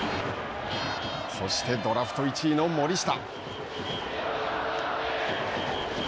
そしてドラフト１位の森下。